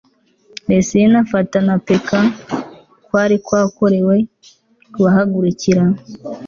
resini afatanya na peka] kwari kwakorewe kubahagurukira